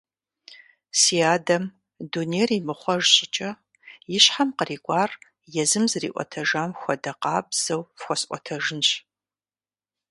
Си адэм, дунейр имыхъуэж щӏыкӏэ, и щхьэм кърикӀуар езым зэриӀуэтэжам хуэдэ къабзэу фхуэсӀуэтэжынщ.